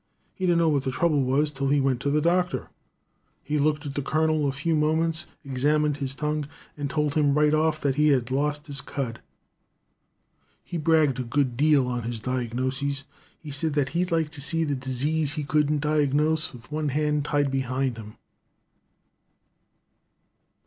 He didn't know what the trouble was till he went to the doctor. He looked at the colonel a few moments, examined his tongue, and told him right off that he had lost his cud. "He bragged a good deal on his diagnosis. He said he'd like to see the disease he couldn't diagnose with one hand tied behind him.